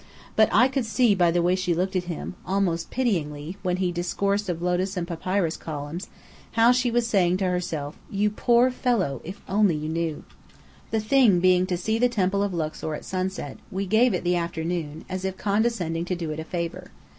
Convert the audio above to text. But I could see by the way she looked at him almost pityingly when he discoursed of lotus and papyrus columns, how she was saying to herself: "You poor fellow, if only you knew!" The "thing" being to see the Temple of Luxor at sunset, we gave it the afternoon, as if condescending to do it a favour.